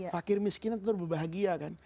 fakir miskin itu berbahagia